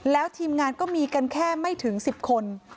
แล้วทีมงานก็มีกันแค่ไม่ถึง๑๐คน